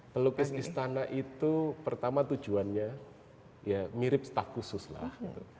pelukis istana itu pertama tujuannya ya mirip staff khusus lah